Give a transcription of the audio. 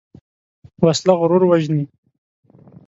وسله غرور وژني